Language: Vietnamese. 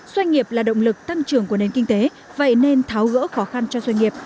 doanh nghiệp là động lực tăng trưởng của nền kinh tế vậy nên tháo gỡ khó khăn cho doanh nghiệp